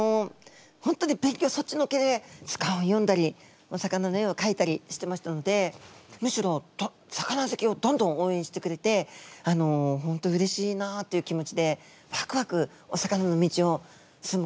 本当に勉強そっちのけで図鑑を読んだりお魚の絵をかいたりしてましたのでむしろ魚好きをどんどんおうえんしてくれて本当うれしいなという気持ちでワクワクお魚の道を進むことができたんですね。